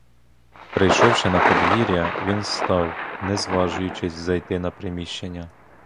Прийшовши на подвір'я, він став, не зважуючись зайти на приміщення.